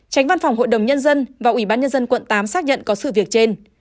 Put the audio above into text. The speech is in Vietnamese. tránh văn phòng hội đồng nhân dân và ủy ban nhân dân quận tám xác nhận có sự việc trên